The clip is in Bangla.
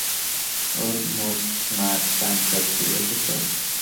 ওর মুখ, নাক, কান সব ঠিক আছে তো?